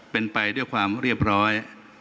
เป็นไปด้วยความเรียบร้อย